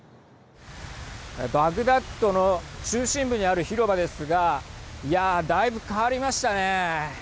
バグダッドの中心部にある広場ですがいや、だいぶ変わりましたね。